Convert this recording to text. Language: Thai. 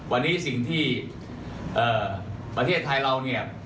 วันนี้สิ่งที่ประเทศไทยเราเนี่ย